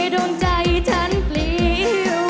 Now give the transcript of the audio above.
ดวงใจฉันปลิว